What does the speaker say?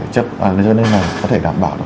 có thể đảm bảo